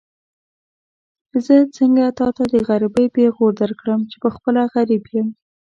زه څنګه تاته د غريبۍ پېغور درکړم چې پخپله غريب يم.